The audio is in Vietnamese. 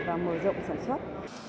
và mở rộng sản xuất